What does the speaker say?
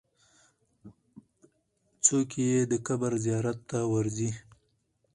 څوک یې د قبر زیارت ته ورځي؟